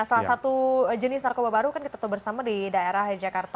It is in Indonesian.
salah satu jenis narkoba baru kan kita tahu bersama di daerah jakarta